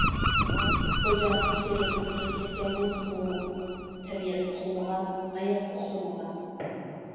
غوجام شېرىن ئۇيقۇغا كەتكەن بولسىمۇ... تەبىئەت ئۇخلىمىغان، ھايات ئۇخلىمىغان،